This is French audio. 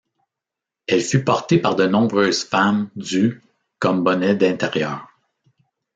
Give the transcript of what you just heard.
Elle fut portée par de nombreuses femmes du comme bonnet d'intérieur.